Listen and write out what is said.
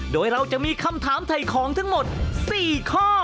โดยเราจะมีคำถามถ่ายของทั้งหมด๔ข้อ